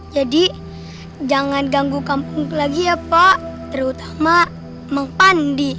jadi jangan ganggu kampung lagi ya pak terutama mang pandi